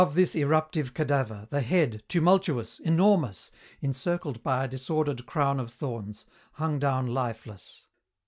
Above this eruptive cadaver, the head, tumultuous, enormous, encircled by a disordered crown of thorns, hung down lifeless.